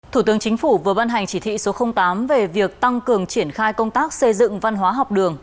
thủ tướng chính phủ vừa ban hành chỉ thị số tám về việc tăng cường triển khai công tác xây dựng văn hóa học đường